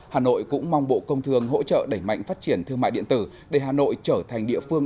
hà nội cũng mong bộ công thương hỗ trợ đẩy mạnh phát triển thương mại điện tử để hà nội trở thành địa phương